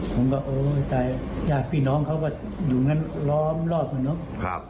ผมก็โอ้ยตายยากพี่น้องเขาก็อยู่งั้นรอบเหมือนเนอะครับ